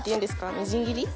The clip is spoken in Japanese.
みじん切り？